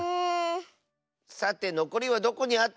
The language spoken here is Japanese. さてのこりはどこにあったでしょうか。